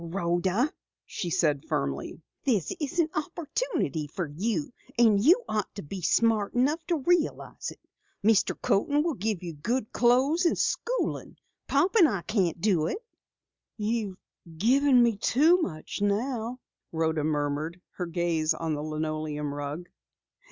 "Rhoda," she said firmly, "this is an opportunity for you, and you ought to be smart enough to realize it. Mr. Coaten will give you good clothes and schooling. Pop and I can't do it." "You've given me too much now," Rhoda murmured, her gaze on the linoleum rug.